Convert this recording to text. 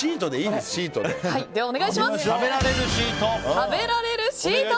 食べられるシート。